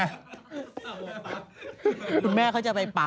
คุณแม่เขาจะไปปัก